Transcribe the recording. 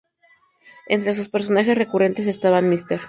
Entre sus personajes recurrentes estaban Mr.